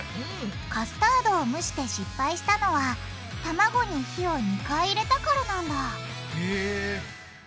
カスタードを蒸して失敗したのはたまごに火を２回入れたからなんだへぇ。